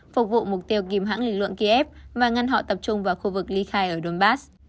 phục vụ mục tiêu kìm hãng lực lượng kiev và ngăn họ tập trung vào khu vực ly khai ở donbass